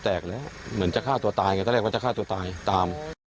แตกแล้วเหมือนจะฆ่าตัวตายไงก็เรียกว่าจะฆ่าตัวตายตาม